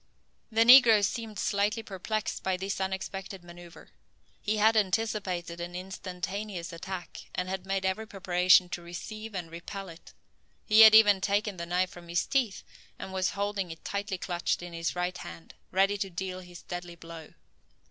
The negro seemed slightly perplexed by this unexpected manoeuvre. He had anticipated an instantaneous attack, and had made every preparation to receive and repel it. He had even taken the knife from his teeth, and was holding it tightly clutched in his right hand, ready to deal his deadly blow.